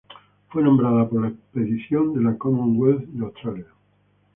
Fue nombrado por la expedición de la Commonwealth de Australia.